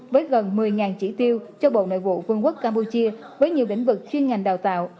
với gần một mươi chỉ tiêu cho bộ nội vụ vương quốc campuchia với nhiều lĩnh vực chuyên ngành đào tạo